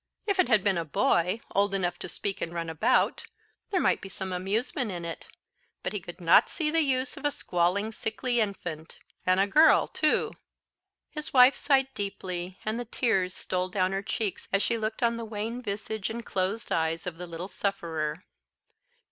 If it had been a boy, old enough to speak and run about, there might be some amusement in it; but he could not see the use of a squalling sickly infant and a girl too! His wife sighed deeply, and the tears stole down her cheeks as she looked on the wan visage and closed eyes of the little sufferer.